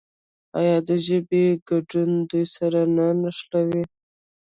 آیا د ژبې ګډون دوی سره نه نښلوي؟